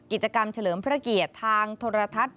กิจกรรมเฉลิมพระเกียรติทางโทรทัศน์